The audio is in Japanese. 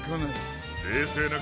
れいせいなかがく